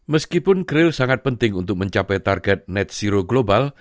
meskipun craille sangat penting untuk mencapai target net zero global